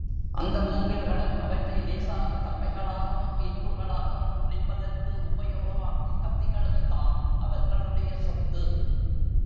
அந்த மூங்கில் களும் அவற்றை லேசான தப்பைகளாகவும், ஈர்க்குகளாகவும் கிழிப்பதற்கு உபயோகமாகும் கத்திகளுந்தாம் அவர்களுடைய சொத்து.